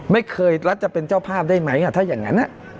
ไม่เคยรัฐจะเป็นเจ้าภาพได้ไหมถ้าอย่างนั้น